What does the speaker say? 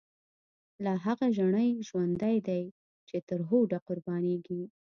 لاهغه ژڼی ژوندی دی، چی ترهوډه قربانیږی